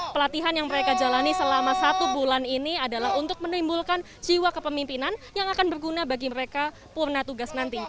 pelatihan yang mereka jalani selama satu bulan ini adalah untuk menimbulkan jiwa kepemimpinan yang akan berguna bagi mereka purna tugas nanti